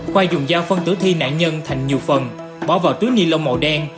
khoa dùng dao phân tử thi nạn nhân thành nhiều phần bỏ vào túi ni lông màu đen